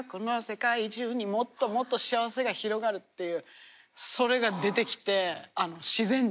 「もっともっと幸せが広がる」っていうそれが出てきて自然に。